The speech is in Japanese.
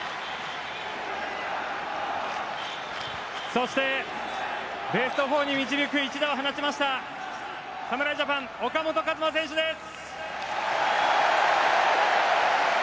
そして、ベスト４に導く一打を放ちました侍ジャパン、岡本和真選手です。